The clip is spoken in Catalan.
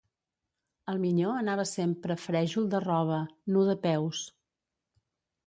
El minyó anava sempre frèjol de roba, nu de peus.